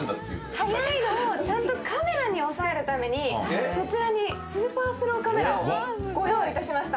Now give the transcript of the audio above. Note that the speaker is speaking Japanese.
速いのをちゃんとカメラに収めるためにそちらにスーパースローカメラをご用意しました。